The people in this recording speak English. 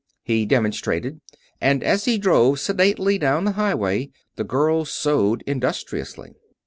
He demonstrated, and as he drove sedately down the highway the girl sewed industriously.